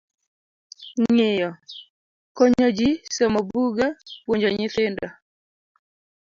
Ng'iyo: konyo ji, somo buge, puonjo nyithindo.